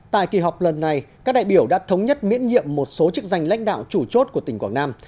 tại kỳ họp lần này các đại biểu đã thống nhất miễn nhiệm một số chức danh lãnh đạo chủ chốt của tỉnh quảng nam